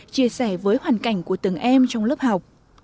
chia sẻ với hoàn cảnh của từng em trong lớp học